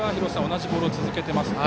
同じボールを続けています。